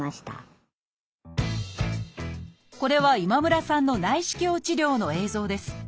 これは今村さんの内視鏡治療の映像です。